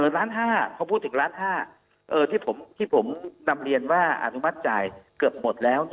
ล้าน๕พอพูดถึงล้าน๕ที่ผมนำเรียนว่าอนุมัติจ่ายเกือบหมดแล้ว